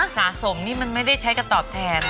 สะสมนี่มันไม่ได้ใช้กับตอบแทน